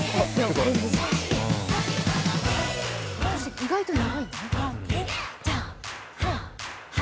意外と長い。